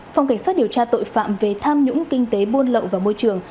phòng cảnh sát điều tra tội phạm về tham nhũng kinh tế buôn lậu và môi trường